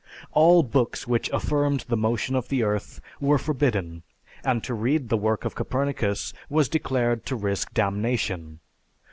All books which affirmed the motion of the earth were forbidden, and to read the work of Copernicus was declared to risk damnation.